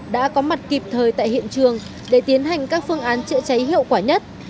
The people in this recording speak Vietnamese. đã có mặt kịp thời tại hiện trường để tiến hành các phương án chữa cháy hiệu quả nhất